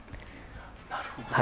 なるほど。